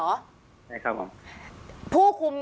ใช่ครับผม